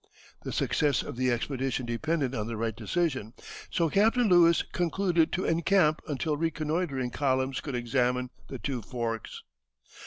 The success of the expedition depended on the right decision, so Captain Lewis concluded to encamp until reconnoitering columns could examine the two forks.